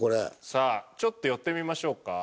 さあちょっと寄ってみましょうか。